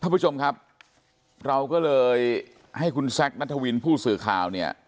ท่านผู้ชมครับเราก็เลยให้คุณแซคนัทวินผู้สื่อข่าวเนี่ย